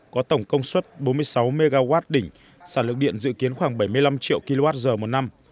có tổng công suất bốn mươi sáu mw đỉnh sản lượng điện dự kiến khoảng bảy mươi năm triệu kwh một năm